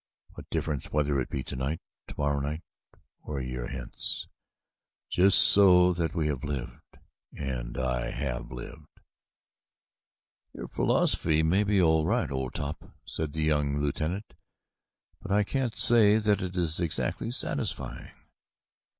What difference whether it be tonight, tomorrow night, or a year hence, just so that we have lived and I have lived!" "Your philosophy may be all right, old top," said the young lieutenant, "but I can't say that it is exactly satisfying."